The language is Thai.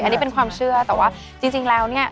อันนี้เป็นความเชื่อแต่ว่าจริงแล้วเนี่ย